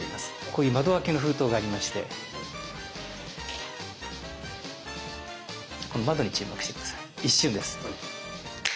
こういう窓開けの封筒がありましてこの窓に注目して下さい一瞬です。